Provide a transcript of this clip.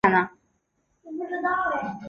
钝叶树棉为锦葵科棉属下的一个变种。